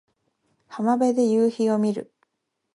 浜辺で夕陽を見る